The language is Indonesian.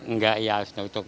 nggak ya harus tutup